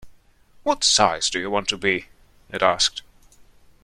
‘What size do you want to be?’ it asked.